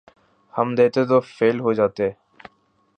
ہم دیتے تو فیل ہو جاتے